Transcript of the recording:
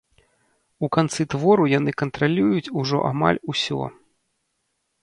У канцы твору яны кантралююць ужо амаль усё.